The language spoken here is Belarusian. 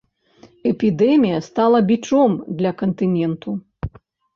Эпідэмія стала бічом для кантыненту.